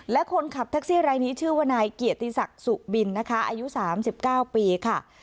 และคนขับแท็กซี่รายนี้ชื่อว่านายเกียรติศักดิ์สุบินนะคะอายุ๓๙ปีค่ะ